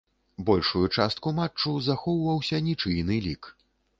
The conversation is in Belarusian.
Большую частку матчу захоўваўся нічыйны лік.